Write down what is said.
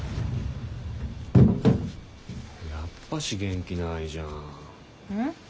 やっぱし元気ないじゃん。